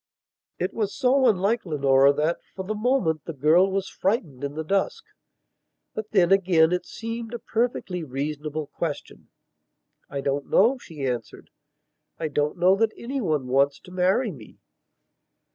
It was so unlike Leonora that, for the moment, the girl was frightened in the dusk. But then, again, it seemed a perfectly reasonable question. "I don't know," she answered. "I don't know that anyone wants to marry me."